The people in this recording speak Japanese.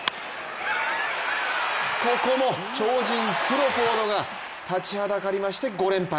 ここも、超人クロフォードが立ちはだかりまして、５連敗。